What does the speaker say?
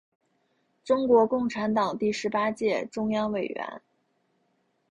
中国共产党第十八届中央委员。